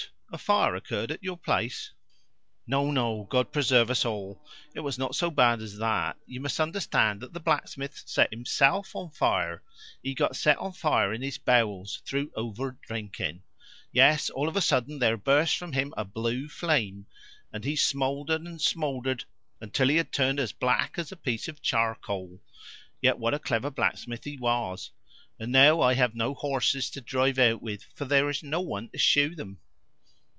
A fire occurred at your place?" "No, no, God preserve us all! It was not so bad as that. You must understand that the blacksmith SET HIMSELF on fire he got set on fire in his bowels through overdrinking. Yes, all of a sudden there burst from him a blue flame, and he smouldered and smouldered until he had turned as black as a piece of charcoal! Yet what a clever blacksmith he was! And now I have no horses to drive out with, for there is no one to shoe them."